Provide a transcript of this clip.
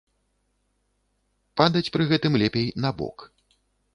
Падаць пры гэтым лепей на бок.